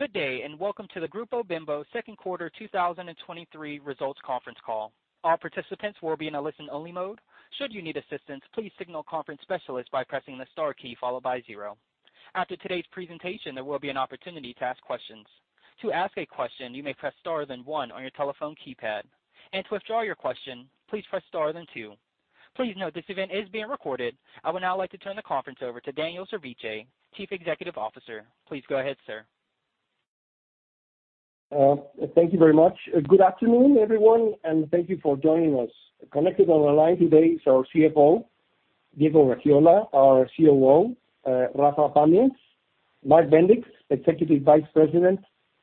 Good day, and welcome to the Grupo Bimbo Second Quarter 2023 Results Conference Call. All participants will be in a listen-only mode. Should you need assistance, please signal conference specialist by pressing the star key followed by zero. After today's presentation, there will be an opportunity to ask questions. To ask a question, you may press star then one on your telephone keypad. And to withdraw your question, please press star then two. Please note, this event is being recorded. I would now like to turn the conference over to Daniel Servitje, Chief Executive Officer. Please go ahead, sir. Thank you very much. Good afternoon, everyone. Thank you for joining us. Connected on the line today is our CFO, Diego Gaxiola, our COO, Rafael Pamias, Mark Bendix, Executive Vice President,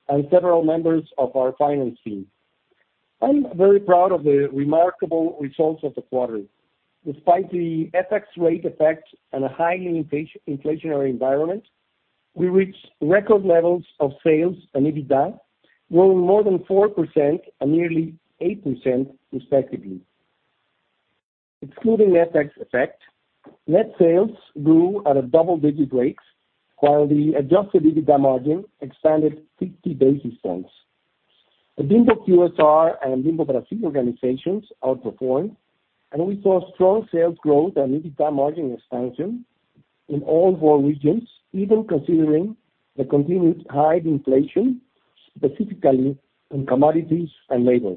and several members of our finance team. I'm very proud of the remarkable results of the quarter. Despite the FX rate effect and a highly inflationary environment, we reached record levels of sales and EBITDA, growing more than 4% and nearly 8% respectively. Excluding FX effect, net sales grew at a double-digit rate, while the Adjusted EBITDA margin expanded 60 basis points. The Bimbo QSR and Bimbo Brasil organizations outperformed. We saw strong sales growth and EBITDA margin expansion in all four regions, even considering the continued high inflation, specifically in commodities and labor.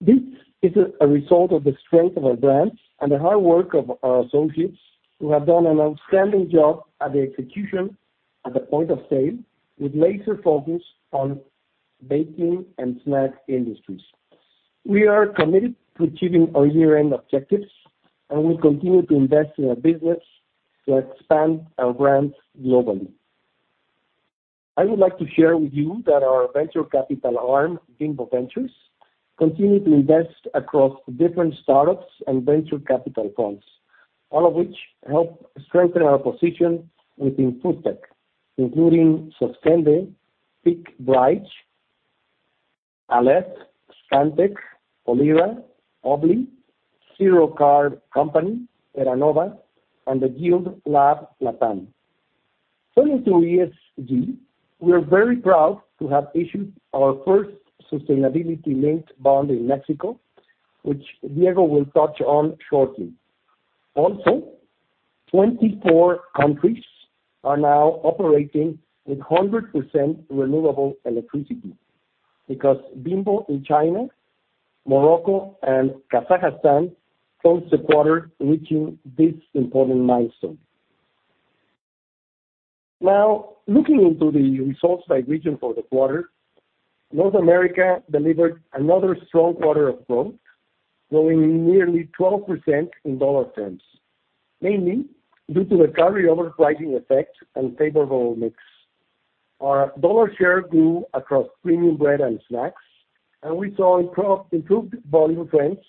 This is a result of the strength of our brands and the hard work of our associates, who have done an outstanding job at the execution at the point of sale, with laser focus on baking and snack industries. We are committed to achieving our year-end objectives. We continue to invest in our business to expand our brands globally. I would like to share with you that our venture capital arm, Bimbo Ventures, continue to invest across different startups and venture capital funds, all of which help strengthen our position within FoodTech, including Soskende, PeakBridge, Aleph, Scantec, Olyra, Oobli, Zero Carb Company, Terra Nova, and The Yield Lab LatAm. Turning to ESG, we are very proud to have issued our first Sustainability-Linked Bond in Mexico, which Diego will touch on shortly. 24 countries are now operating with 100% renewable electricity, because Bimbo in China, Morocco, and Kazakhstan closed the quarter reaching this important milestone. Looking into the results by region for the quarter, North America delivered another strong quarter of growth, growing nearly 12% in dollar terms, mainly due to the carryover pricing effect and favorable mix. Our dollar share grew across premium bread and snacks, and we saw improved volume trends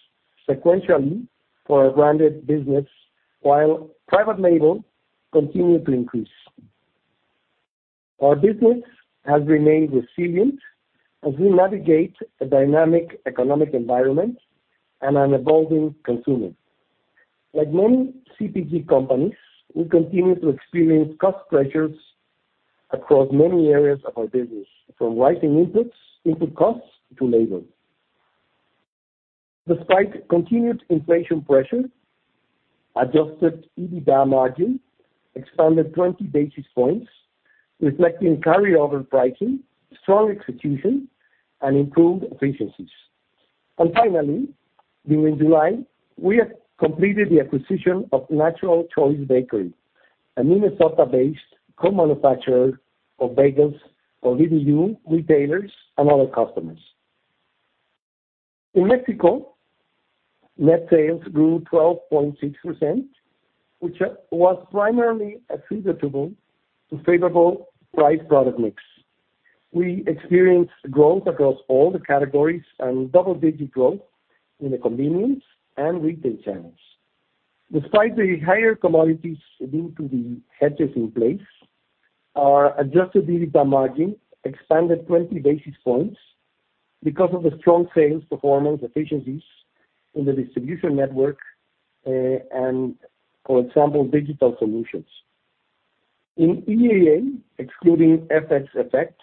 sequentially for our branded business, while private label continued to increase. Our business has remained resilient as we navigate a dynamic economic environment and an evolving consumer. Like many CPG companies, we continue to experience cost pressures across many areas of our business, from rising inputs, input costs to labor. Despite continued inflation pressure, Adjusted EBITDA margin expanded 20 basis points, reflecting carryover pricing, strong execution, and improved efficiencies. Finally, during July, we have completed the acquisition of National Choice Bakery, a Minnesota-based co-manufacturer of bagels for SKU retailers and other customers. In Mexico, net sales grew 12.6%, which was primarily attributable to favorable price product mix. We experienced growth across all the categories and double-digit growth in the convenience and retail channels. Despite the higher commodities due to the hedges in place, our Adjusted EBITDA margin expanded 20 basis points because of the strong sales performance efficiencies in the distribution network and, for example, digital solutions. In EAA, excluding FX effect,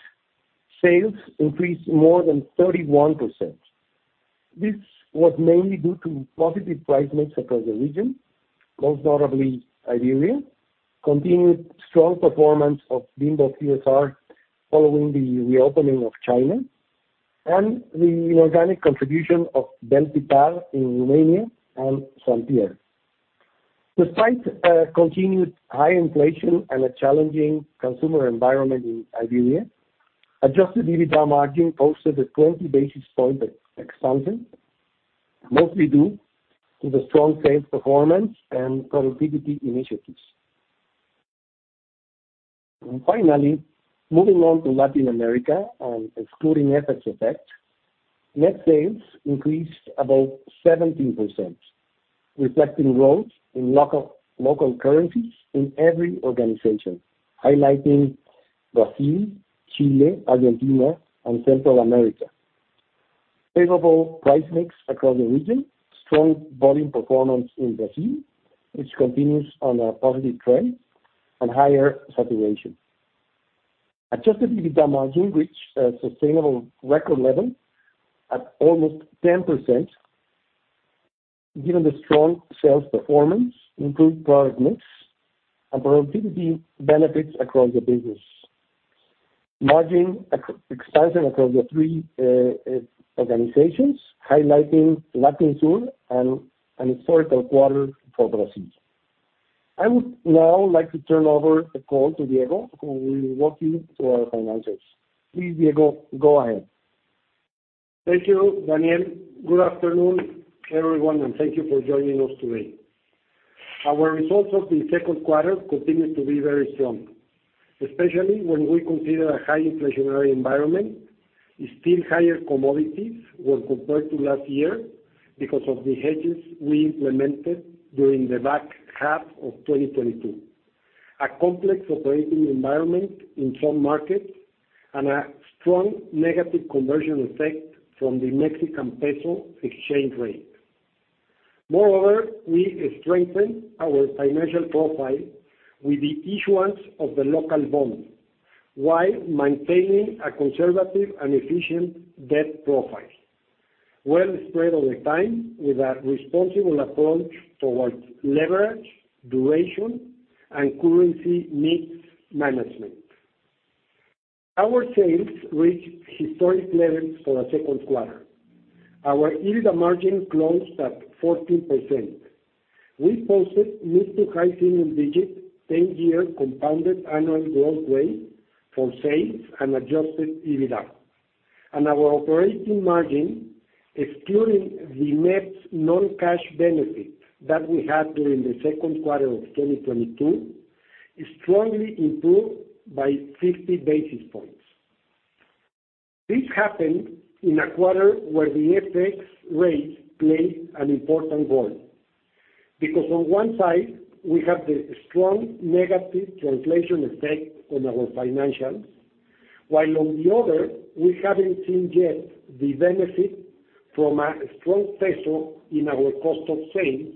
sales increased more than 31%. This was mainly due to positive price mix across the region, most notably Iberia, continued strong performance of Bimbo QSR following the reopening of China, and the organic contribution of Vel Pitar in Romania and St Pierre. Despite continued high inflation and a challenging consumer environment in Iberia, Adjusted EBITDA margin posted a 20 basis point expansion, mostly due to the strong sales performance and productivity initiatives. Finally, moving on to Latin America and excluding FX effect, net sales increased about 17%, reflecting growth in local currencies in every organization, highlighting Brazil, Chile, Argentina, and Central America.... favorable price mix across the region, strong volume performance in Brazil, which continues on a positive trend, and higher saturation. Adjusted EBITDA margin reached a sustainable record level at almost 10%, given the strong sales performance, improved product mix, and productivity benefits across the business. Margin ex-expansion across the three organizations, highlighting Latin Sur and an historical quarter for Brazil. I would now like to turn over the call to Diego, who will walk you through our financials. Please, Diego, go ahead. Thank you, Daniel. Good afternoon, everyone, thank you for joining us today. Our results of the second quarter continued to be very strong, especially when we consider a high inflationary environment, still higher commodities when compared to last year because of the hedges we implemented during the back half of 2022, a complex operating environment in some markets, a strong negative conversion effect from the Mexican peso exchange rate. Moreover, we strengthened our financial profile with the issuance of the local bond, while maintaining a conservative and efficient debt profile, well spread over time, with a responsible approach towards leverage, duration, and currency mix management. Our sales reached historic levels for a second quarter. Our EBITDA margin closed at 14%. We posted mid to high single digit, 10-year compounded annual growth rate for sales and Adjusted EBITDA. Our operating margin, excluding the net non-cash benefit that we had during the second quarter of 2022, strongly improved by 50 basis points. This happened in a quarter where the FX rate played an important role, because on one side, we have the strong negative translation effect on our financials, while on the other, we haven't seen yet the benefit from a strong peso in our cost of sales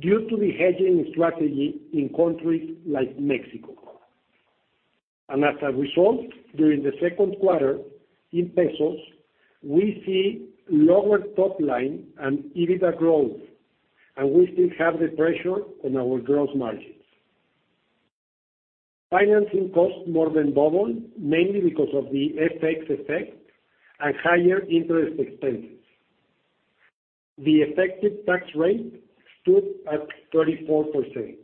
due to the hedging strategy in countries like Mexico. As a result, during the second quarter, in pesos, we see lower top line and EBITDA growth, and we still have the pressure on our gross margins. Financing costs more than doubled, mainly because of the FX effect and higher interest expenses. The effective tax rate stood at 34%.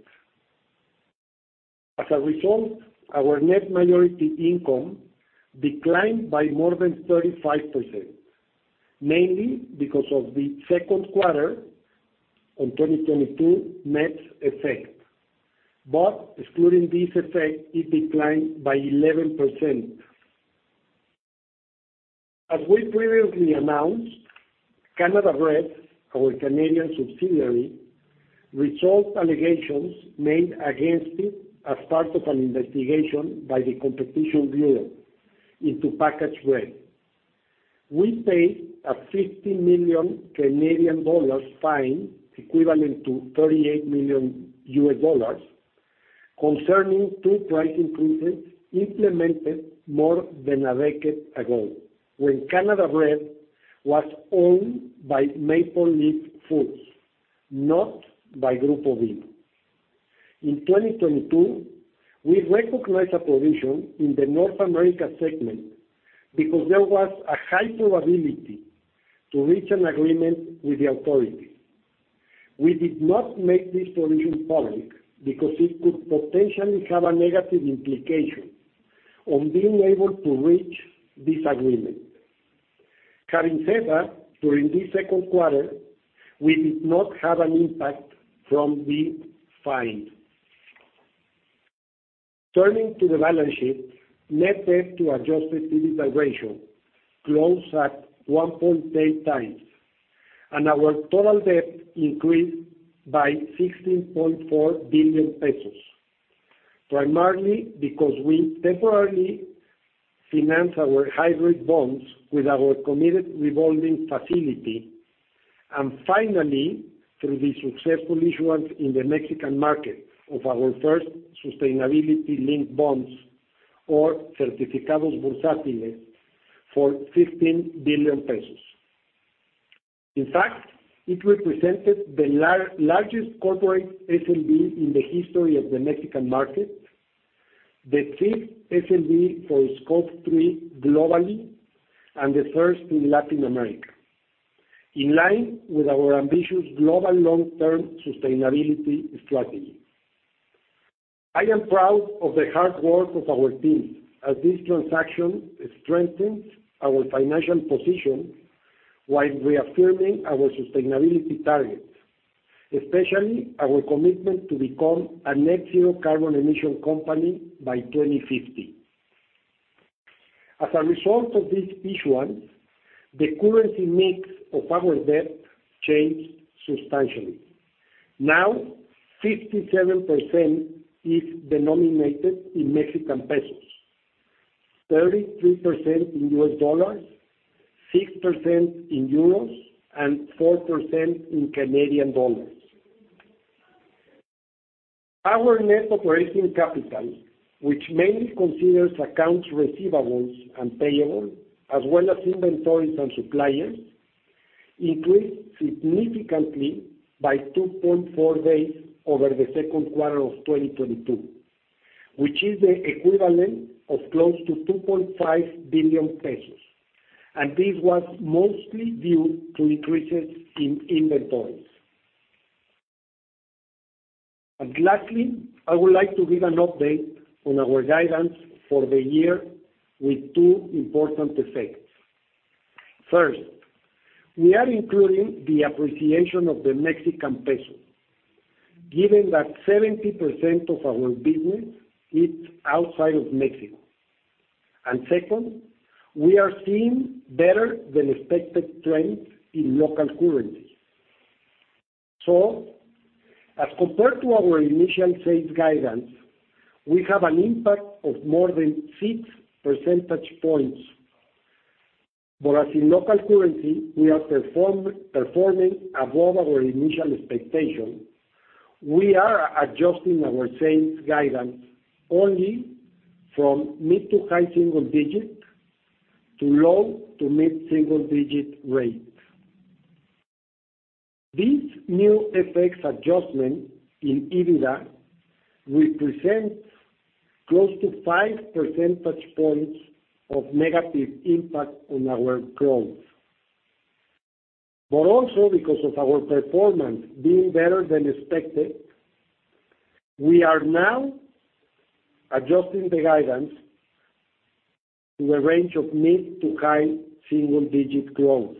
Our net minority income declined by more than 35%, mainly because of the 2Q 2022 net effect. Excluding this effect, it declined by 11%. We previously announced, Canada Bread, our Canadian subsidiary, resolved allegations made against it as part of an investigation by the Competition Bureau into packaged bread. We paid a 50 million Canadian dollars fine, equivalent to $38 million, concerning two price increases implemented more than a decade ago, when Canada Bread was owned by Maple Leaf Foods, not by Grupo Bimbo. In 2022, we recognized a provision in the North America segment because there was a high probability to reach an agreement with the authority. We did not make this provision public because it could potentially have a negative implication on being able to reach this agreement. Having said that, during this second quarter, we did not have an impact from the fine. Turning to the balance sheet, net debt to Adjusted EBITDA ratio closed at 1.8x, and our total debt increased by 16.4 billion pesos, primarily because we temporarily financed our hybrid bonds with our committed revolving facility, and finally, through the successful issuance in the Mexican market of our first Sustainability-Linked Bonds, or Certificados Bursátiles, for 15 billion pesos. In fact, it represented the largest corporate SLB in the history of the Mexican market, the fifth SLB for Scope 3 globally, and the first in Latin America, in line with our ambitious global long-term sustainability strategy. I am proud of the hard work of our team, as this transaction strengthens our financial position while reaffirming our sustainability targets, especially our commitment to become a Net Zero Carbon emissions company by 2050. As a result of this issuance, the currency mix of our debt changed substantially. Now, 57% is denominated in Mexican pesos, 33% in U.S. dollars, 6% in euros, and 4% in Canadian dollars. Our net operating capital, which mainly considers accounts receivables and payable, as well as inventories and suppliers, increased significantly by 2.4 days over the second quarter of 2022, which is the equivalent of close to 2.5 billion pesos, and this was mostly due to increases in inventories. Lastly, I would like to give an update on our guidance for the year with two important effects. First, we are including the appreciation of the Mexican peso, given that 70% of our business is outside of Mexico. Second, we are seeing better than expected trends in local currency. As compared to our initial sales guidance, we have an impact of more than 6 percentage points. As in local currency, we are performing above our initial expectation. We are adjusting our sales guidance only from mid to high single-digit to low to mid single-digit rate. These new effects adjustment in EBITDA represent close to 5 percentage points of negative impact on our growth. Also because of our performance being better than expected, we are now adjusting the guidance to a range of mid to high single-digit growth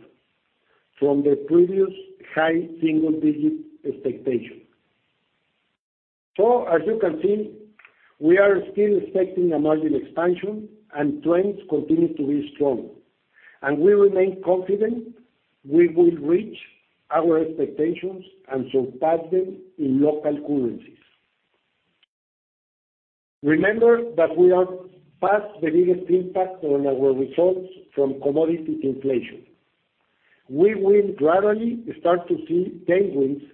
from the previous high single-digit expectation. As you can see, we are still expecting a margin expansion and trends continue to be strong, and we remain confident we will reach our expectations and surpass them in local currencies. Remember that we are past the biggest impact on our results from commodity inflation. We will gradually start to see tailwinds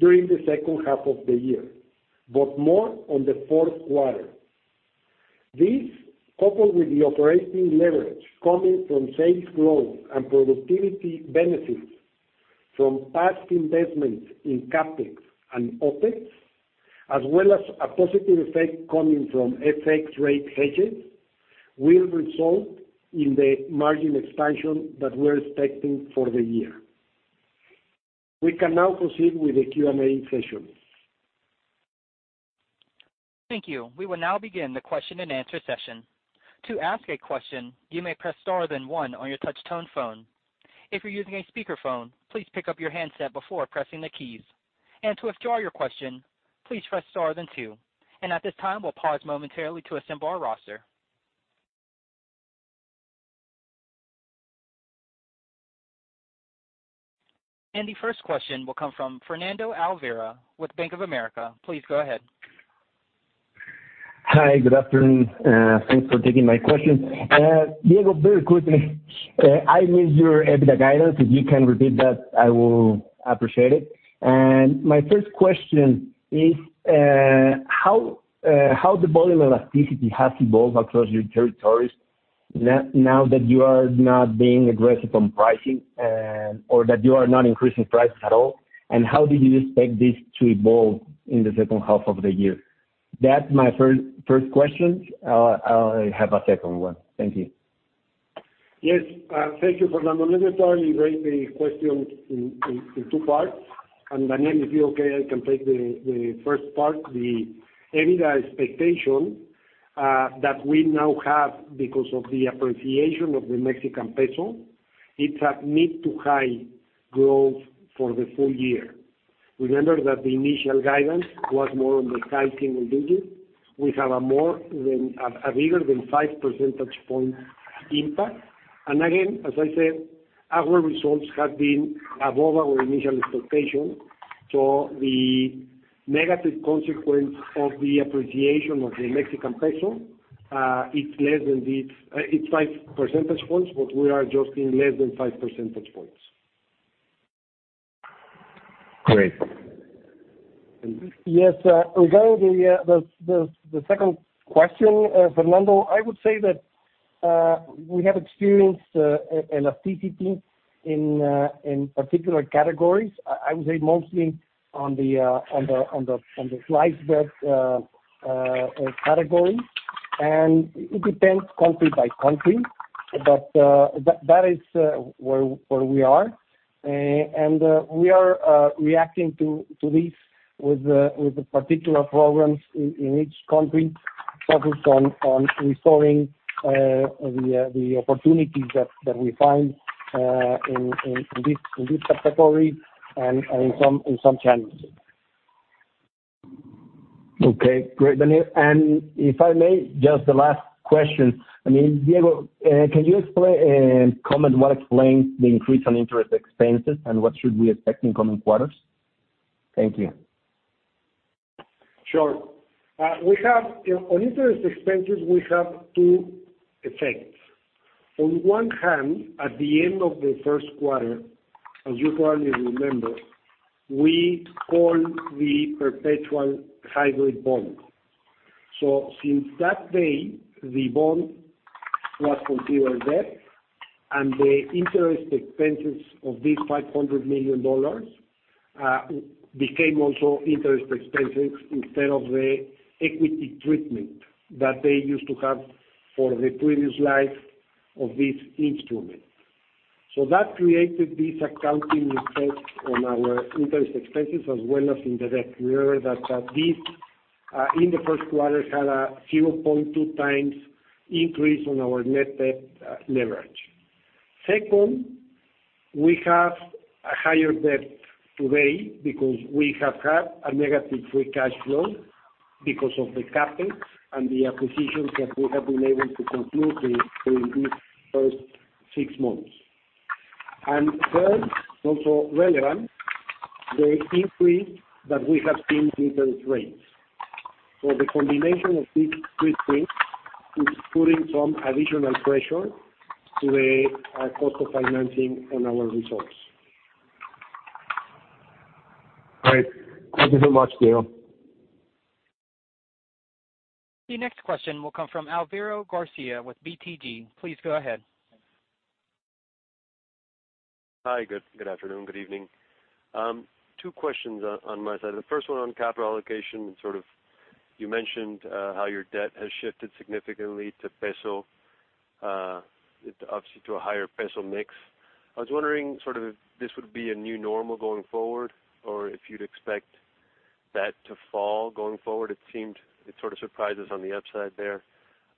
during the second half of the year, but more on the fourth quarter. This, coupled with the operating leverage coming from sales growth and productivity benefits from past investments in CapEx and OpEx, as well as a positive effect coming from FX rate hedges, will result in the margin expansion that we're expecting for the year. We can now proceed with the Q&A session. Thank you. We will now begin the question-and-answer session. To ask a question, you may press star then one on your touch tone phone. If you're using a speakerphone, please pick up your handset before pressing the keys. To withdraw your question, please press star then two. At this time, we'll pause momentarily to assemble our roster. The first question will come from Fernando Olvera with Bank of America. Please go ahead. Hi, good afternoon, thanks for taking my question. Diego, very quickly, I missed your EBITDA guidance. If you can repeat that, I will appreciate it. My first question is, how the volume elasticity has evolved across your territories now that you are not being aggressive on pricing, or that you are not increasing prices at all? How do you expect this to evolve in the second half of the year? That's my first question. I have a second one. Thank you. Yes, thank you, Fernando. Let me tell you raise the question in two parts. Daniel, if you're okay, I can take the first part, the EBITDA expectation that we now have because of the appreciation of the Mexican peso. It's at mid to high growth for the full year. Remember that the initial guidance was more on the high single digit. We have a more than a bigger than 5 percentage point impact. Again, as I said, our results have been above our initial expectation. The negative consequence of the appreciation of the Mexican peso, it's 5 percentage points, but we are adjusting less than 5 percentage points. Great. Yes, regarding the second question, Fernando, I would say that we have experienced elasticity in particular categories. I would say mostly on the price band category. It depends country by country, but that is where we are. We are reacting to this with the particular programs in each country focused on exploring the opportunities that we find in this category and in some challenges.... Okay, great, Daniel. If I may, just the last question, I mean, Diego, can you explain and comment what explains the increase on interest expenses, and what should we expect in coming quarters? Thank you. Sure. We have, on interest expenses, we have two effects. At the end of the first quarter, as you probably remember, we called the perpetual hybrid bond. Since that day, the bond was considered debt, the interest expenses of these $500 million became also interest expenses instead of the equity treatment that they used to have for the previous life of this instrument. That created this accounting effect on our interest expenses, as well as in the debt. We are that, this, in the first quarter, had a 0.2x increase on our net debt leverage. Second, we have a higher debt today because we have had a negative free cash flow because of the capital and the acquisitions that we have been able to conclude in this first six months. Third, also relevant, the increase that we have seen in interest rates. The combination of these three things is putting some additional pressure to the cost of financing on our results. Great. Thank you so much, Diego. The next question will come from Álvaro García with BTG. Please go ahead. Hi, good afternoon, good evening. Two questions on my side. The first one on capital allocation, sort of you mentioned how your debt has shifted significantly to peso, obviously to a higher peso mix. I was wondering sort of if this would be a new normal going forward, or if you'd expect that to fall going forward? It seemed it sort of surprised us on the upside there.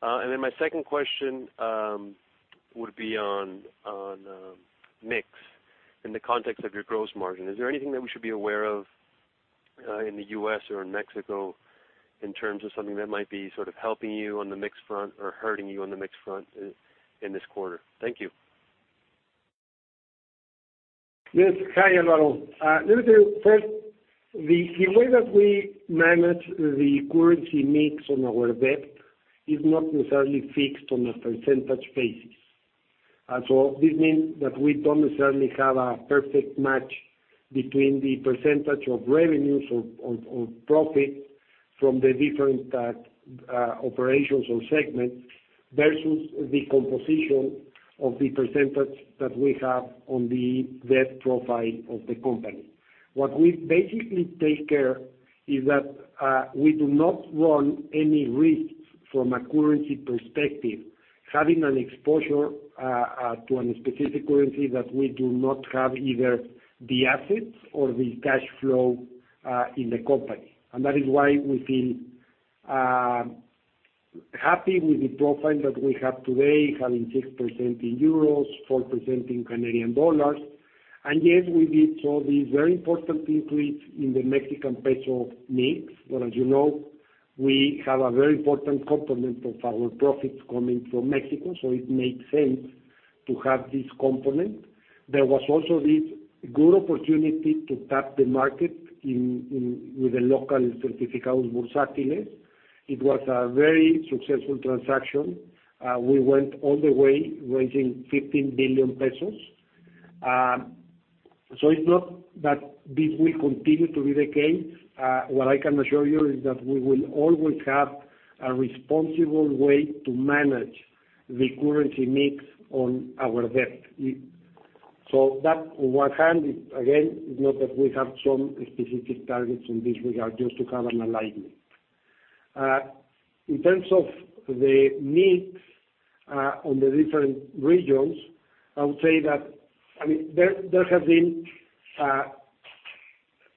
My second question would be on mix in the context of your gross margin. Is there anything that we should be aware of in the U.S. or in Mexico in terms of something that might be sort of helping you on the mix front or hurting you on the mix front in this quarter? Thank you. Yes. Hi, Álvaro. Let me tell you, first, the way that we manage the currency mix on our debt is not necessarily fixed on a % basis. This means that we don't necessarily have a perfect match between the % of revenues or profits from the different operations or segments vs the composition of the percentage that we have on the debt profile of the company. What we basically take care is that we do not run any risks from a currency perspective, having an exposure to an specific currency that we do not have either the assets or the cash flow in the company. That is why we feel happy with the profile that we have today, having 6% in euros, 4% in Canadian dollars. Yes, we did saw this very important increase in the Mexican peso mix. Well, as you know, we have a very important component of our profits coming from Mexico, so it makes sense to have this component. There was also this good opportunity to tap the market in with the local Certificados Bursátiles. It was a very successful transaction. We went all the way, raising 15 billion pesos. it's not that this will continue to be the case. What I can assure you is that we will always have a responsible way to manage the currency mix on our debt. That, on one hand, again, is not that we have some specific targets in this regard, just to have an alignment. In terms of the mix, on the different regions, I would say that, I mean, there have been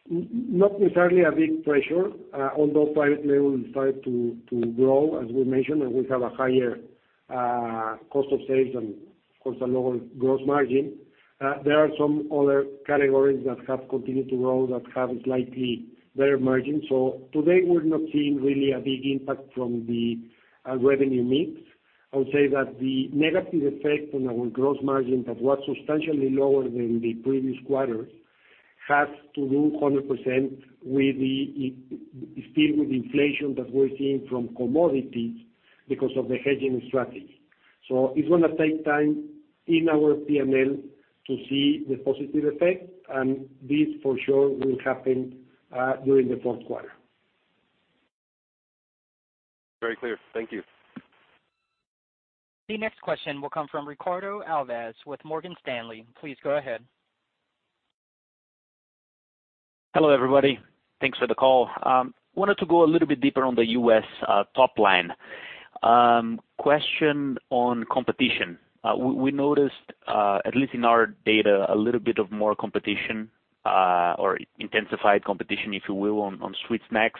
not necessarily a big pressure, although private label started to grow, as we mentioned, and we have a higher cost of sales and, of course, a lower gross margin. There are some other categories that have continued to grow that have slightly better margins. Today, we're not seeing really a big impact from the revenue mix. I would say that the negative effect on our gross margin, that was substantially lower than the previous quarter, has to do 100% with the, still with inflation that we're seeing from commodities because of the hedging strategy. It's gonna take time in our P&L to see the positive effect, and this for sure will happen during the fourth quarter. Very clear. Thank you. The next question will come from Ricardo Alves with Morgan Stanley. Please go ahead. Hello, everybody. Thanks for the call. Wanted to go a little bit deeper on the U.S. top line. Question on competition. We noticed, at least in our data, a little bit of more competition, or intensified competition, if you will, on sweet snacks.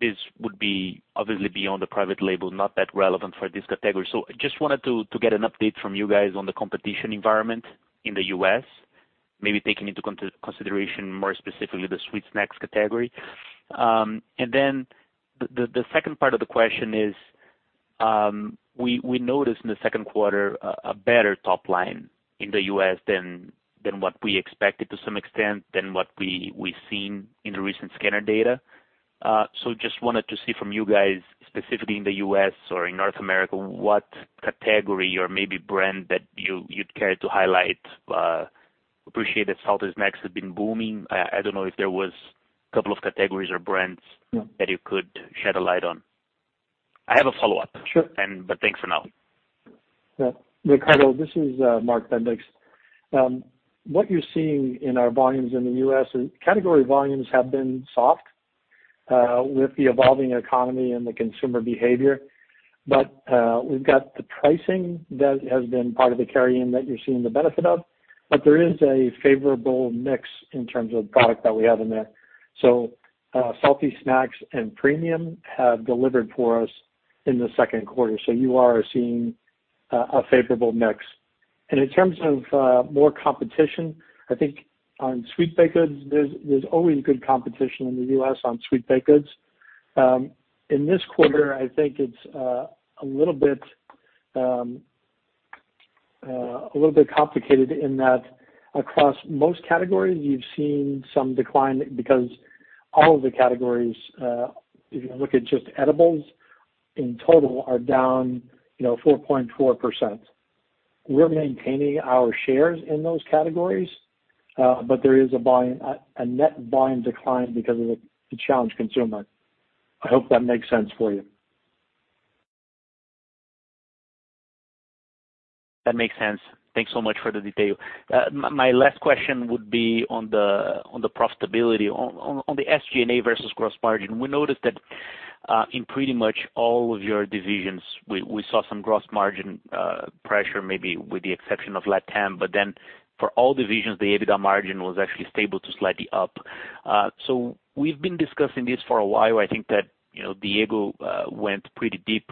This would be obviously beyond the private label, not that relevant for this category. I just wanted to get an update from you guys on the competition environment in the U.S., maybe taking into consideration more specifically the sweet snacks category. The second part of the question is, we noticed in the second quarter a better top line in the U.S. than what we expected, to some extent, than what we've seen in the recent scanner data. Just wanted to see from you guys, specifically in the U.S. or in North America, what category or maybe brand that you'd care to highlight? Appreciate that salty snacks have been booming. I don't know if there was a couple of categories or brands... Yeah. that you could shed a light on. I have a follow-up. Sure. thanks for now. Ricardo, this is Mark Bendix. What you're seeing in our volumes in the U.S. is category volumes have been soft with the evolving economy and the consumer behavior. We've got the pricing that has been part of the carry-in that you're seeing the benefit of, but there is a favorable mix in terms of product that we have in there. Salty snacks and premium have delivered for us in the second quarter, you are seeing a favorable mix. In terms of more competition, I think on sweet baked goods, there's always good competition in the U.S. on sweet baked goods. In this quarter, I think it's a little bit complicated in that across most categories, you've seen some decline because all of the categories, if you look at just edibles, in total are down, you know, 4.4%. We're maintaining our shares in those categories, but there is a net volume decline because of the challenged consumer. I hope that makes sense for you. That makes sense. Thanks so much for the detail. My last question would be on the profitability. On the SG&A vs gross margin, we noticed that in pretty much all of your divisions, we saw some gross margin pressure, maybe with the exception of LatAm. For all divisions, the EBITDA margin was actually stable to slightly up. We've been discussing this for a while. I think that, you know, Diego went pretty deep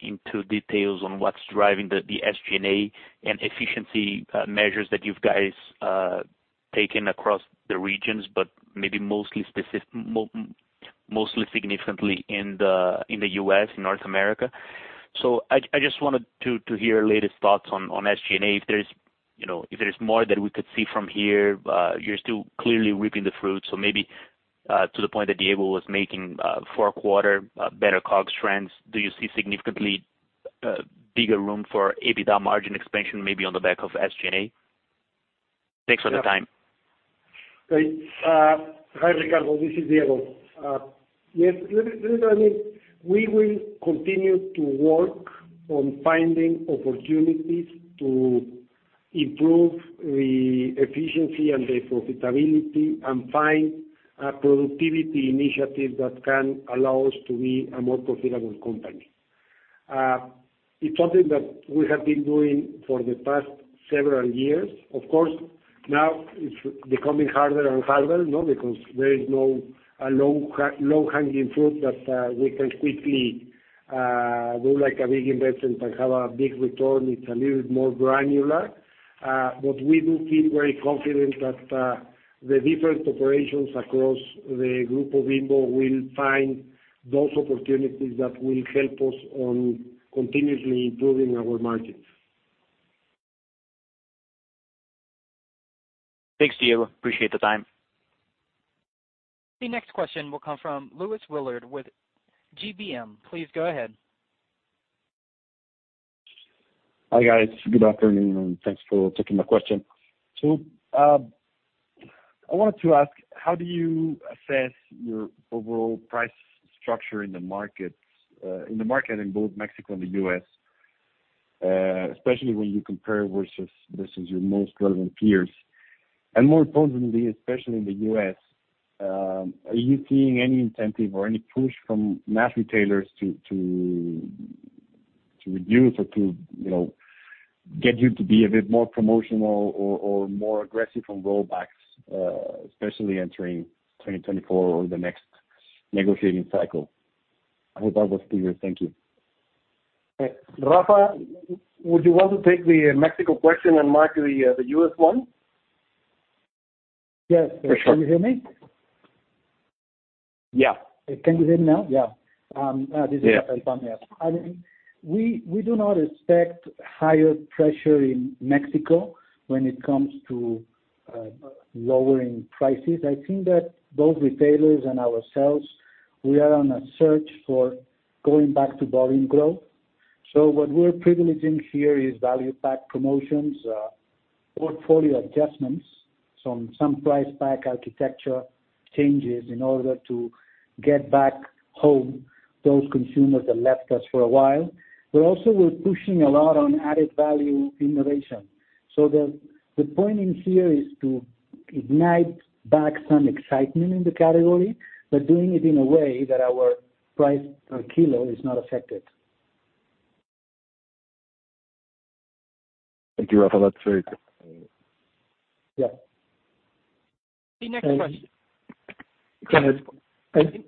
into details on what's driving the SG&A and efficiency measures that you've guys taken across the regions, but maybe mostly significantly in the U.S., in North America. I just wanted to hear your latest thoughts on SG&A, if there's, you know, if there's more that we could see from here. You're still clearly reaping the fruits, so maybe, to the point that Diego was making, four quarter, better COGS trends, do you see significantly, bigger room for EBITDA margin expansion, maybe on the back of SG&A? Thanks for the time. Yeah. Great. Hi, Ricardo, this is Diego. Yes, we will continue to work on finding opportunities to improve the efficiency and the profitability, and find a productivity initiative that can allow us to be a more profitable company. It's something that we have been doing for the past several years. Of course, now it's becoming harder and harder, you know, because there is no low-hanging fruit that we can quickly do like a big investment and have a big return. It's a little more granular. We do feel very confident that the different operations across Grupo Bimbo will find those opportunities that will help us on continuously improving our margins. Thanks, Diego. Appreciate the time. The next question will come from Luis Willard with GBM. Please go ahead. Hi, guys. Good afternoon, thanks for taking my question. I wanted to ask, how do you assess your overall price structure in the markets, in the market in both Mexico and the U.S., especially when you compare vs your most relevant peers? More importantly, especially in the U.S., are you seeing any incentive or any push from mass retailers to reduce or to, you know, get you to be a bit more promotional or more aggressive on rollbacks, especially entering 2024 or the next negotiating cycle? I hope that was clear. Thank you. Rafa, would you want to take the Mexico question, and Mark, the U.S. one? Yes. For sure. Can you hear me? Yeah. Can you hear me now? Yeah. Yeah... this is Rafael Pamias. I mean, we do not expect higher pressure in Mexico when it comes to lowering prices. I think that both retailers and ourselves, we are on a search for going back to volume growth. What we're privileging here is value-pack promotions, portfolio adjustments, some price pack architecture changes in order to get back home those consumers that left us for a while. Also, we're pushing a lot on added value innovation. The point in here is to ignite back some excitement in the category, but doing it in a way that our price per kilo is not affected. Thank you, Rafael, that's very good. Yeah. The next question. Can I--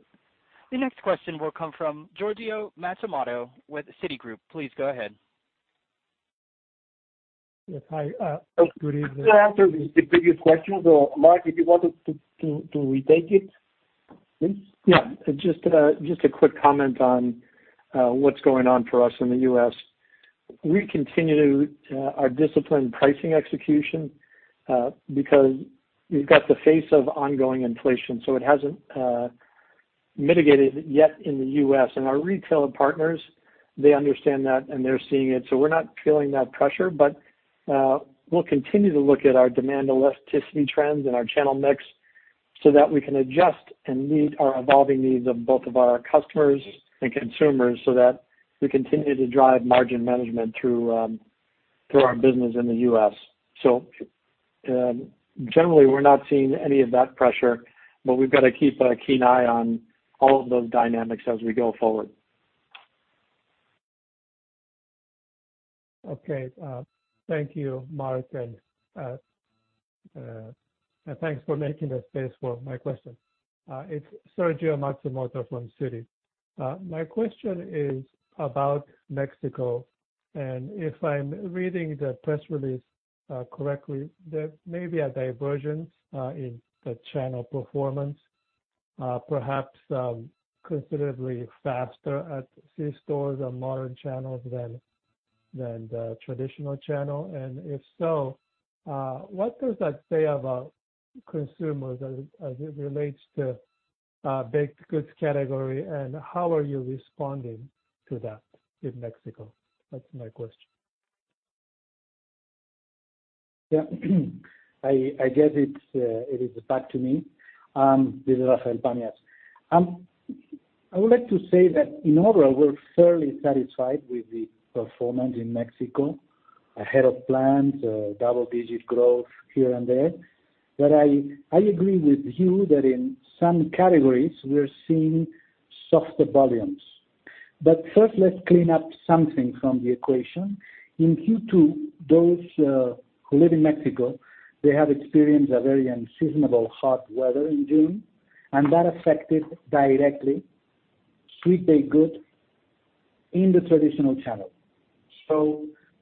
The next question will come from Sergio Matsumoto with Citigroup. Please go ahead. Yes, hi, good evening. After the previous questions, or Mark, if you wanted to retake it? Yeah. Just, just a quick comment on what's going on for us in the U.S. We continue to our disciplined pricing execution because we've got the face of ongoing inflation, so it hasn't mitigated yet in the U.S. Our retailer partners, they understand that, and they're seeing it, so we're not feeling that pressure. We'll continue to look at our demand elasticity trends and our channel mix, so that we can adjust and meet our evolving needs of both of our customers and consumers, so that we continue to drive margin management through through our business in the U.S. Generally, we're not seeing any of that pressure, but we've got to keep a keen eye on all of those dynamics as we go forward. Okay. Thank you, Mark, and thanks for making the space for my question. It's Sergio Matsumoto from Citi. My question is about Mexico, and if I'm reading the press release correctly, there may be a diversion in the channel performance, perhaps considerably faster at C stores or modern channels than the traditional channel. If so, what does that say about consumers as it relates to baked goods category, and how are you responding to that in Mexico? That's my question. Yeah. I guess it's, it is back to me. This is Rafael Pamias. I would like to say that in overall, we're fairly satisfied with the performance in Mexico, ahead of plans, double-digit growth here and there. I agree with you that in some categories, we're seeing softer volumes. First, let's clean up something from the equation. In Q2, those who live in Mexico, they have experienced a very unseasonable hot weather in June, and that affected directly sweet baked good in the traditional channel.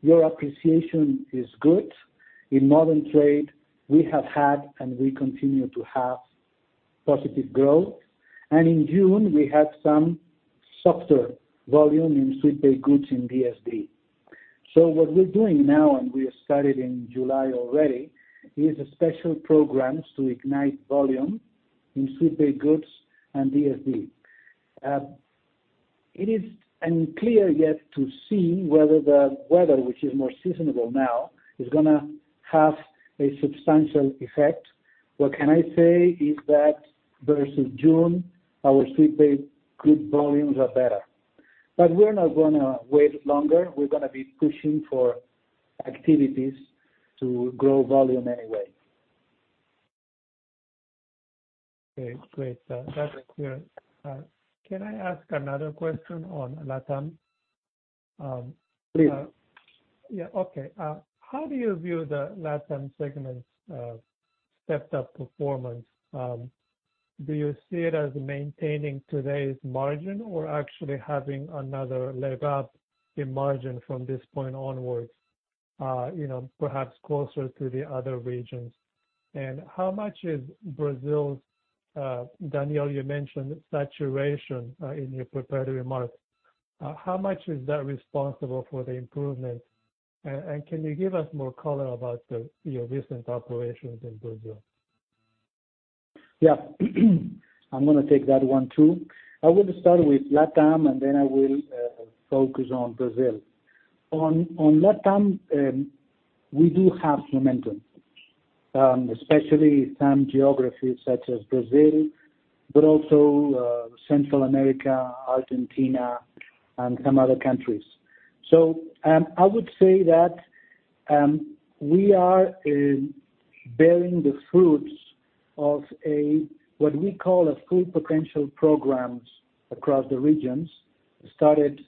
Your appreciation is good. In modern trade, we have had, and we continue to have positive growth. In June, we had some softer volume in sweet baked goods in DSD. What we're doing now, and we have started in July already, is a special programs to ignite volume in sweet baked goods and DSD. It is unclear yet to see whether the weather, which is more seasonable now, is gonna have a substantial effect. What can I say is that vs June, our sweet baked good volumes are better. We're not gonna wait longer. We're gonna be pushing for activities to grow volume anyway. Okay, great. That's clear. Can I ask another question on LatAm? Please. Yeah, okay. How do you view the LatAm segment's stepped up performance? Do you see it as maintaining today's margin or actually having another leg up in margin from this point onwards, you know, perhaps closer to the other regions? How much is Brazil's, Daniel, you mentioned saturation in your prepared remarks. How much is that responsible for the improvement? Can you give us more color about your recent operations in Brazil? Yeah. I'm gonna take that one, too. I will start with LatAm, and then I will focus on Brazil. On LatAm, we do have momentum, especially some geographies such as Brazil, but also Central America, Argentina, and some other countries. I would say that we are bearing the fruits of a, what we call a full potential programs across the regions, started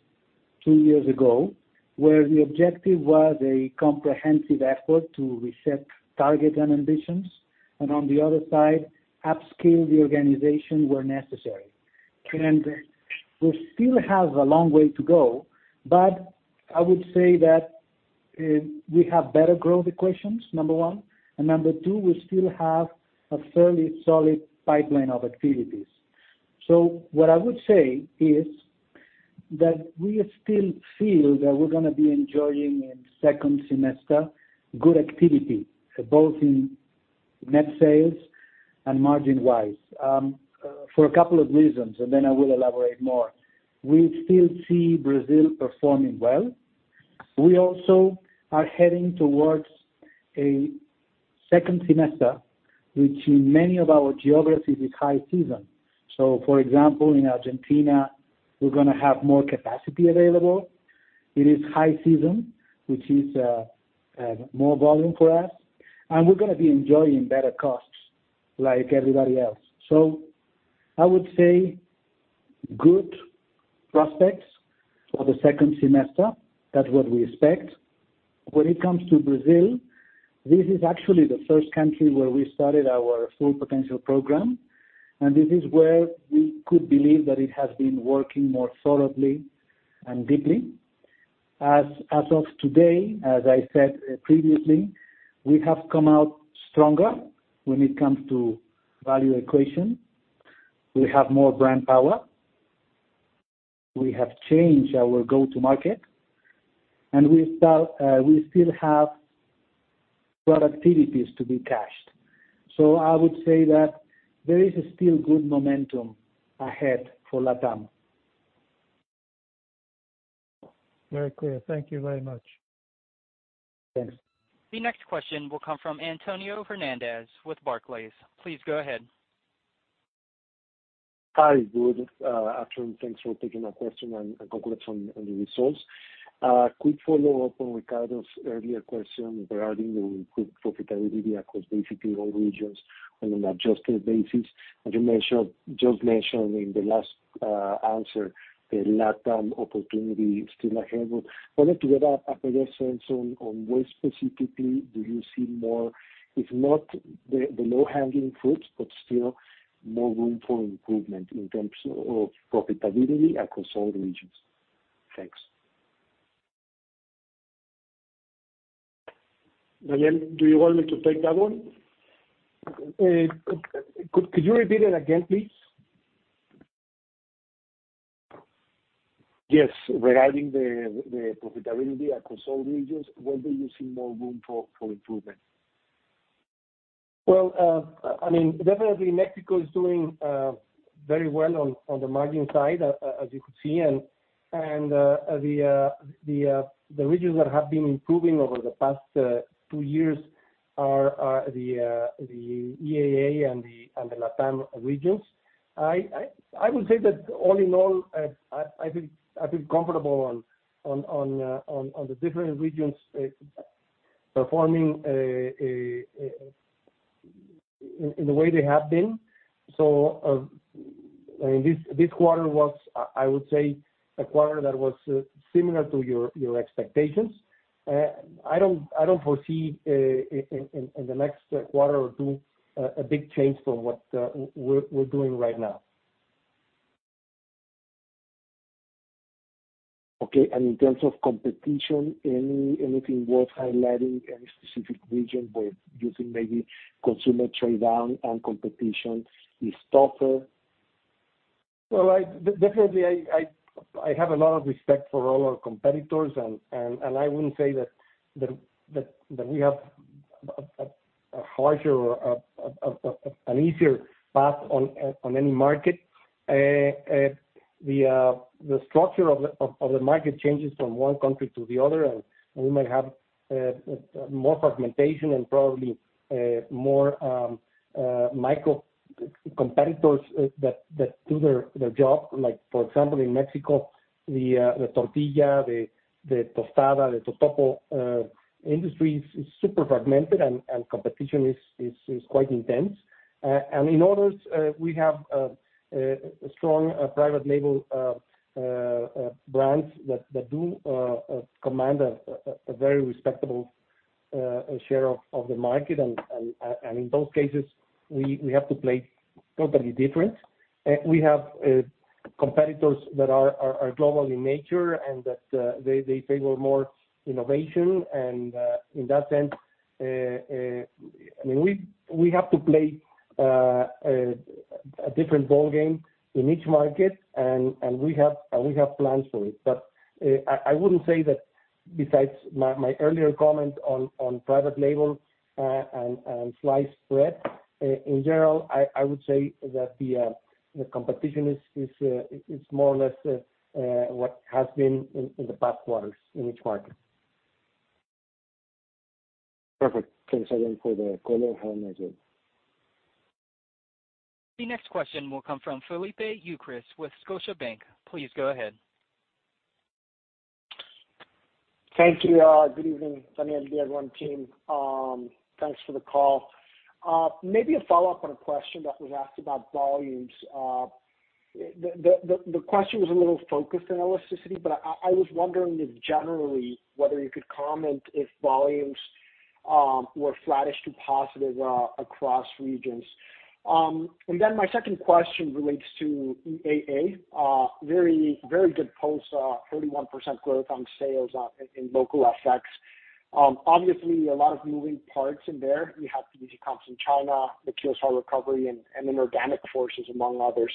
two years ago, where the objective was a comprehensive effort to reset target and ambitions, and on the other side, upskill the organization where necessary. We still have a long way to go, but I would say that we have better growth equations, number one, and number two, we still have a fairly solid pipeline of activities. What I would say is, that we still feel that we're gonna be enjoying in second semester, good activity, both in net sales and margin-wise, for a couple of reasons. Then I will elaborate more. We still see Brazil performing well. We also are heading towards a second semester, which in many of our geographies, is high season. For example, in Argentina, we're gonna have more capacity available. It is high season, which is more volume for us, and we're gonna be enjoying better costs like everybody else. I would say-... good prospects for the second semester. That's what we expect. When it comes to Brazil, this is actually the first country where we started our full potential program, and this is where we could believe that it has been working more solidly and deeply. As of today, as I said previously, we have come out stronger when it comes to value equation. We have more brand power, we have changed our go-to market, and we still have productivities to be cashed. I would say that there is still good momentum ahead for LatAm. Very clear. Thank you very much. Thanks. The next question will come from Antonio Hernández with Barclays. Please go ahead. Hi, good afternoon. Thanks for taking my question and congrats on the results. Quick follow-up on Ricardo's earlier question regarding the good profitability across basically all regions on an adjusted basis. As you mentioned, just mentioned in the last answer, the LatAm opportunity is still ahead, but wanted to get a better sense on where specifically do you see more, if not the low-hanging fruits, but still more room for improvement in terms of profitability across all regions? Thanks. Daniel, do you want me to take that one? Could you repeat it again, please? Yes, regarding the profitability across all regions, where do you see more room for improvement? Well, I mean, definitely Mexico is doing very well on the margin side, as you could see. The regions that have been improving over the past two years are the EAA and the LatAm regions. I would say that all in all, I feel comfortable on the different regions performing in the way they have been. I mean, this quarter was, I would say, a quarter that was similar to your expectations. I don't foresee in the next quarter or two a big change from what we're doing right now. Okay. In terms of competition, anything worth highlighting, any specific region where you think maybe consumer trade-down and competition is tougher? Well, I definitely have a lot of respect for all our competitors, and I wouldn't say that we have a harder or an easier path on any market. The structure of the market changes from one country to the other, and we might have more fragmentation and probably more micro competitors that do their job. Like, for example, in Mexico, the tortilla, the tostada, the totopo industry is super fragmented, and competition is quite intense. In others, we have a strong private label brands that command a very respectable share of the market. In those cases, we have to play totally different. We have competitors that are global in nature, and that they favor more innovation. In that sense, I mean, we have to play a different ballgame in each market, and we have plans for it. I wouldn't say that besides my earlier comment on private label and sliced bread in general, I would say that the competition is more or less what has been in the past quarters in each market. Perfect. Thanks again for the call and have a nice day. The next question will come from Felipe Ucros with Scotiabank. Please go ahead. Thank you. Good evening, Daniel, and the everyone team. Thanks for the call. Maybe a follow-up on a question that was asked about volumes. The question was a little focused in elasticity, but I was wondering if generally, whether you could comment if volumes were flattish to positive across regions? My second question relates to EAA. Very good posts, 31% growth on sales in local effects. Obviously, a lot of moving parts in there. You have the e-coms in China, the QSR recovery, and then organic forces, among others.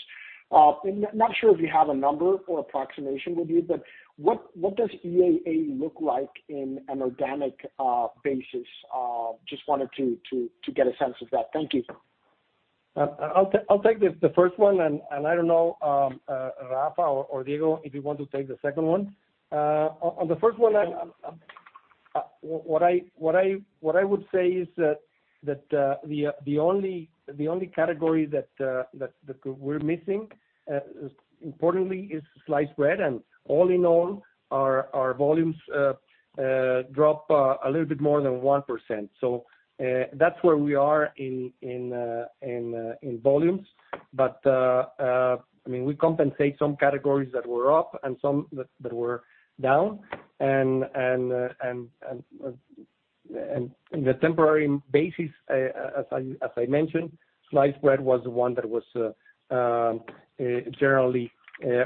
Not sure if you have a number or approximation with you, but what does EAA look like in an organic basis? Just wanted to get a sense of that. Thank you. t one, and I don't know, Rafael or Diego, if you want to take the second one. On the first one, what I would say is that the only category that we're missing importantly is sliced bread. All in all, our volumes drop a little bit more than 1%. That's where we are in volumes. I mean, we compensate some categories that were up and some that were down. On a temporary basis, as I mentioned, sliced bread was the one that was generally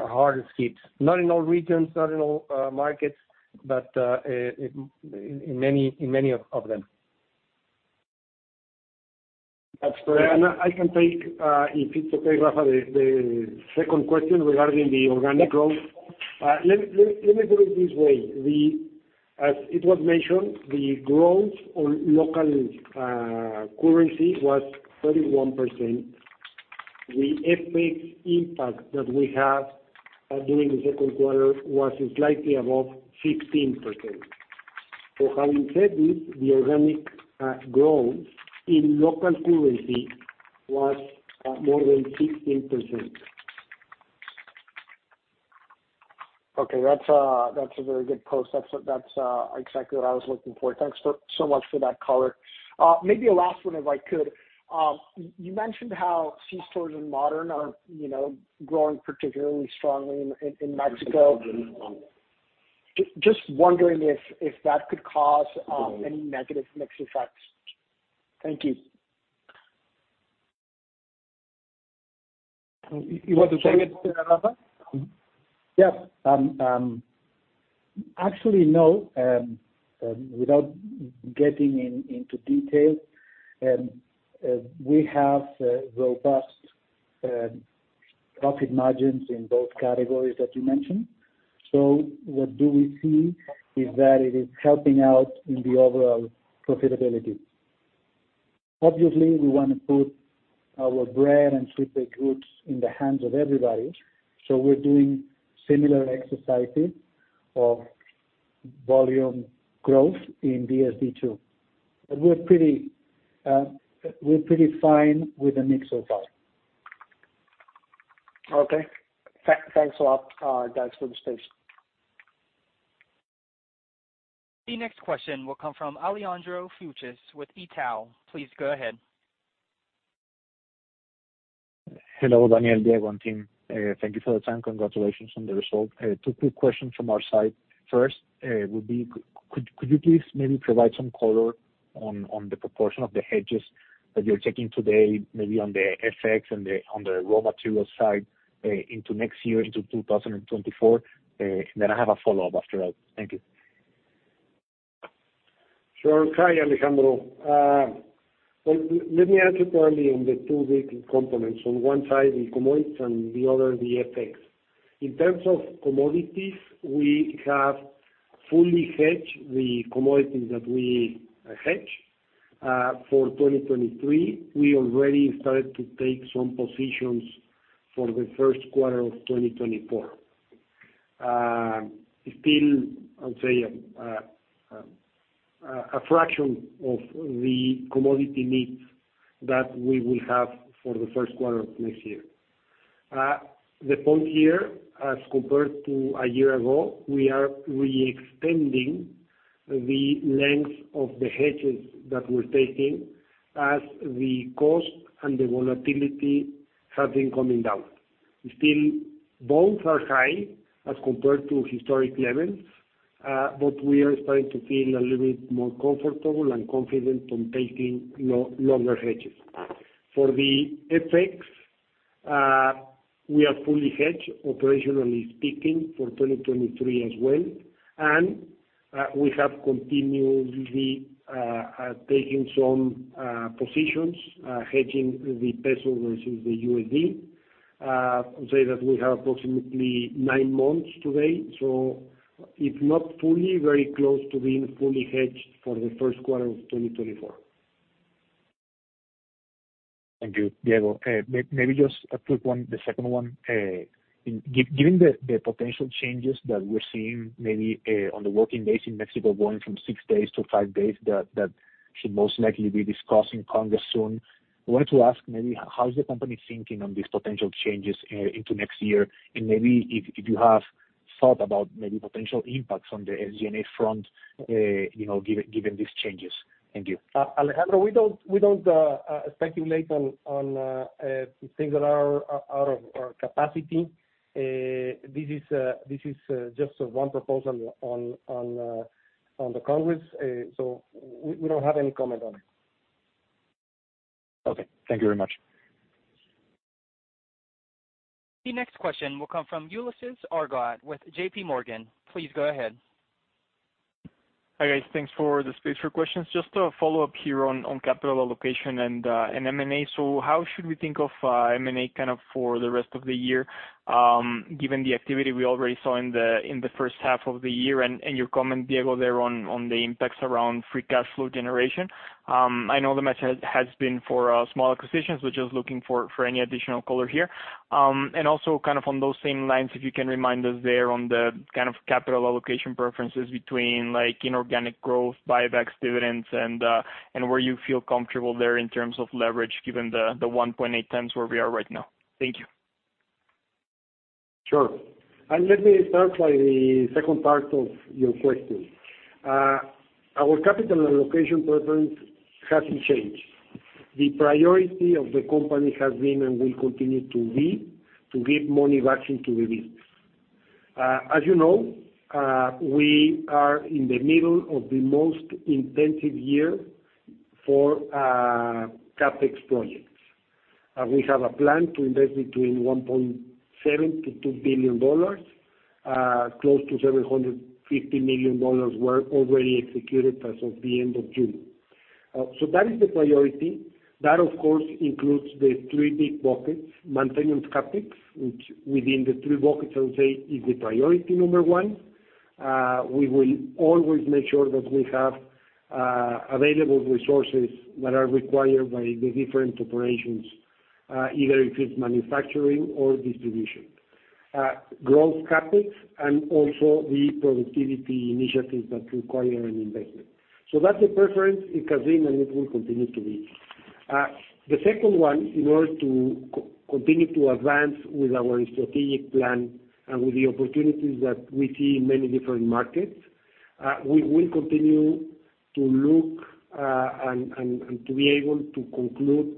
hardest hit Not in all regions, not in all markets, but in many, in many of them. That's great. I can take, if it's okay, Rafael, the second question regarding the organic growth. Let me put it this way, as it was mentioned, the growth on local currency was 31%. The FX impact that we have during the second quarter was slightly above 15%. Having said this, the organic growth in local currency was more than 16%. Okay, that's a very good post. That's exactly what I was looking for. Thanks so much for that color. Maybe a last one, if I could. You mentioned how C-stores and Modern are, you know, growing particularly strongly in Mexico. Just wondering if that could cause any negative mix effects? Thank you. You want to take it, Rafael? Yeah. Actually, no, without getting into detail, we have robust profit margins in both categories that you mentioned. So what we see is that it is helping out in the overall profitability. Obviously, we want to put our bread and sweet goods in the hands of everybody, so we're doing similar exercises of volume growth in DSD2. But we're pretty, we're pretty fine with the mix so far. Okay. Thanks a lot, guys, for the space. The next question will come from Alejandro Fuchs with Itaú. Please go ahead. Hello, Daniel, Diego, and team. Thank you for the time. Congratulations on the result. Two quick questions from our side. First, would be, could you please maybe provide some color on the proportion of the hedges that you're taking today, maybe on the FX and on the raw material side, into next year, into 2024? I have a follow-up after that. Thank you. Sure. Hi, Alejandro. Let me answer clearly on the two big components. On one side, the commodities and the other, the FX. In terms of commodities, we have fully hedged the commodities that we hedge. For 2023, we already started to take some positions for the first quarter of 2024. Still, I'll say a fraction of the commodity needs that we will have for the first quarter of next year. The point here, as compared to a year ago, we are reextending the length of the hedges that we're taking as the cost and the volatility have been coming down. Still, both are high as compared to historic levels, we are starting to feel a little bit more comfortable and confident on taking longer hedges. For the FX, we are fully hedged, operationally speaking, for 2023 as well. We have continuously taking some positions, hedging the peso vs the USD. I would say that we have approximately nine months today, so if not fully, very close to being fully hedged for the first quarter of 2024. Thank you, Diego. Maybe just a quick one, the second one. Given the potential changes that we're seeing, maybe on the working days in Mexico, going from six days to five days, that should most likely be discussed in Congress soon, I wanted to ask, maybe, how is the company thinking on these potential changes into next year? Maybe if you have thought about maybe potential impacts on the SG&A front, you know, given these changes. Thank you. Alejandro, we don't, we don't speculate on things that are out of our capacity. This is just one proposal on the Congress. So we don't have any comment on it. Okay. Thank you very much. The next question will come from Ulises Argote with JPMorgan. Please go ahead. Hi, guys. Thanks for the space for questions. Just a follow-up here on capital allocation and M&A. How should we think of M&A kind of for the rest of the year, given the activity we already saw in the first half of the year, and your comment, Diego, there on the impacts around free cash flow generation? I know the match has been for small acquisitions, but just looking for any additional color here. Also kind of on those same lines, if you can remind us there on the kind of capital allocation preferences between, like, inorganic growth, buyback dividends, and where you feel comfortable there in terms of leverage, given the 1.8x where we are right now. Thank you. Allocation preference hasn't changed. The priority of the company has been, and will continue to be, to give money back into the business. As you know, we are in the middle of the most intensive year for CapEx projects. We have a plan to invest between $1.7 billion-$2 billion. Close to $750 million were already executed as of the end of June. So that is the priority. That, of course, includes the three big buckets, maintenance CapEx, which within the three buckets, I would say, is the priority number one. We will always make sure that we have available resources that are required by the different operations, either if it's manufacturing or distribution. Growth CapEx and also the productivity initiatives that require an investment. That's the preference it has been, and it will continue to be. The second one, in order to continue to advance with our strategic plan and with the opportunities that we see in many different markets, we will continue to look and to be able to conclude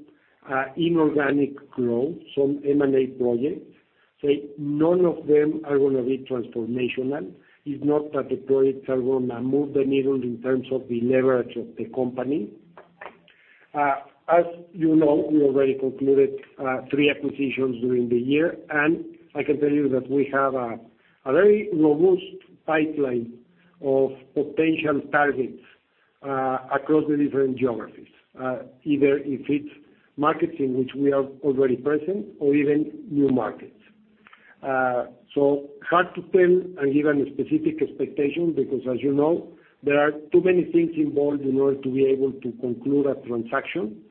inorganic growth, some M&A projects. None of them are gonna be transformational. It's not that the projects are gonna move the needle in terms of the leverage of the company. As you know, we already concluded three acquisitions during the year, and I can tell you that we have a very robust pipeline of potential targets across the different geographies, either if it's markets in which we are already present or even new markets. Hard to tell and give a specific expectation because, as you know, there are too many things involved in order to be able to conclude a transaction.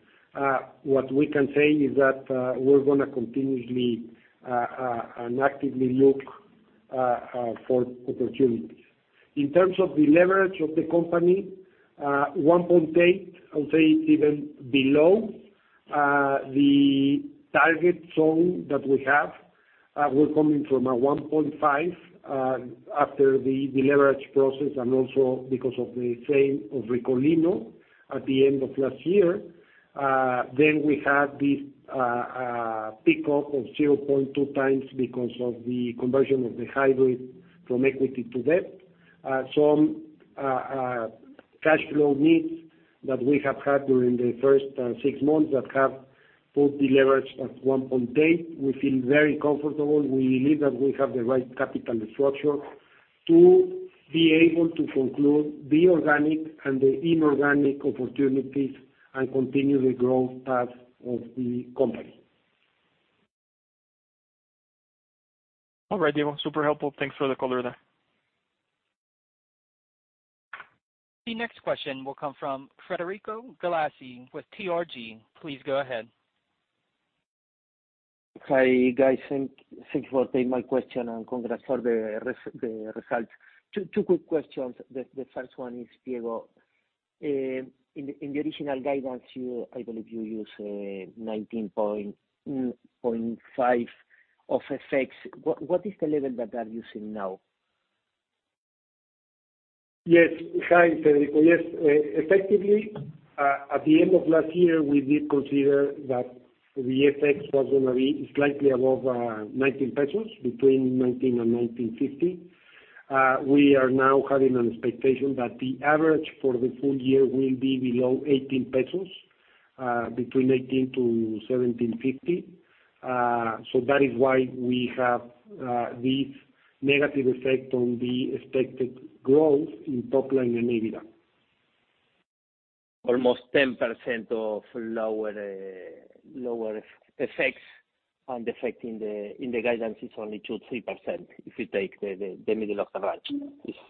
What we can say is that we're gonna continuously and actively look for opportunities. In terms of the leverage of the company, 1.8, I would say it's even below the target zone that we have. We're coming from a 1.5 after the deleverage process and also because of the sale of Ricolino at the end of last year. We had this pick-up of 0.2x because of the conversion of the hybrid from equity to debt. some cash flow needs that we have had during the first six months that have put the leverage at 1.8. We feel very comfortable. We believe that we have the right capital structure to be able to conclude the organic and the inorganic opportunities and continue the growth path of the company. All right, Diego. Super helpful. Thanks for the color there. The next question will come from Federico Galassi with TRG. Please go ahead. Hi, guys. Thank you for taking my question, and congrats for the results. Two quick questions. The first one is, Diego, in the original guidance, you, I believe you used, 19.5 of effects. What is the level that you are using now? Yes. Hi, Federico. Yes, effectively, at the end of last year, we did consider that the FX was gonna be slightly above, 19 pesos, between 19 and 19.50. We are now having an expectation that the average for the full year will be below 18 pesos, between 18-17.50. That is why we have this negative effect on the expected growth in top line and EBITDA. Almost 10% of lower effects and effect in the guidance is only 2%-3%, if we take the middle of the range.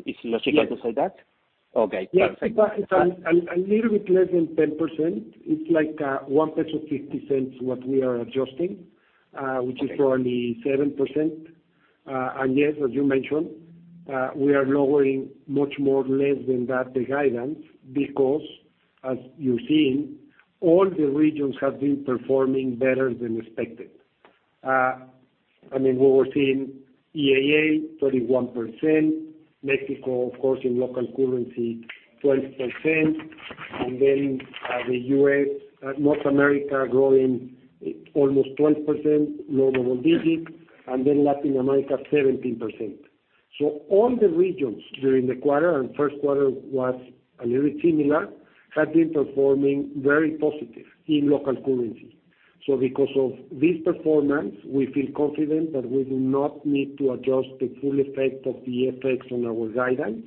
Is logical to say that? Yes. Okay, perfect. Yes, a little bit less than 10%. It's like, 1.50 peso what we are adjusting. Okay. Which is around 7%. Yes, as you mentioned, we are lowering much more less than that, the guidance, because as you've seen, all the regions have been performing better than expected. I mean, we were seeing EAA, 31%. Mexico, of course, in local currency, 12%. The U.S., North America growing almost 12%, low double digits, and then Latin America, 17%. All the regions during the quarter, and first quarter was a little similar, have been performing very positive in local currency. Because of this performance, we feel confident that we do not need to adjust the full effect of the FX on our guidance.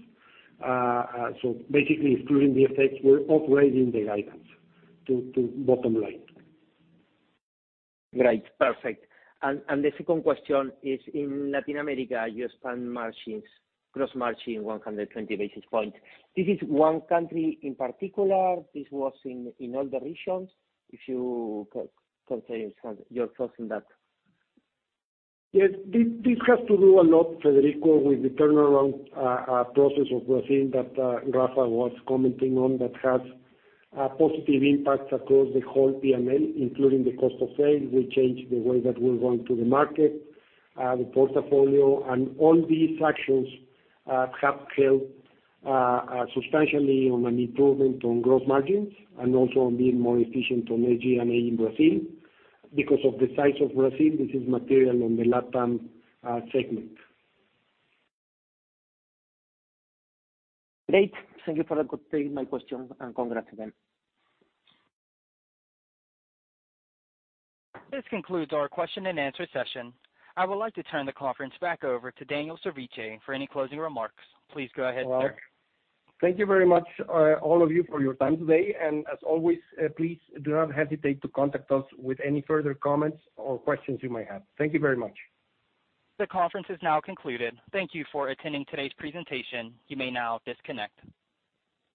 Basically, including the effects, we're upgrading the guidance to bottom line. Great, perfect. The second question is in Latin America, you expand margins, gross margin 120 basis points. This is one country in particular, this was in all the regions? If you could say your thoughts on that. Yes. This has to do a lot, Federico, with the turnaround process of Brazil that Rafa was commenting on, that has a positive impact across the whole P&L, including the cost of sales. We changed the way that we're going to the market, the portfolio, and all these actions have helped substantially on an improvement on gross margins and also on being more efficient on SG&A in Brazil. Because of the size of Brazil, this is material on the LatAm segment. Great. Thank you for taking my question. Congrats again. This concludes our question and answer session. I would like to turn the conference back over to Daniel Servitje for any closing remarks. Please go ahead, sir. Well, thank you very much, all of you, for your time today. As always, please do not hesitate to contact us with any further comments or questions you may have. Thank you very much. The conference is now concluded. Thank you for attending today's presentation. You may now disconnect.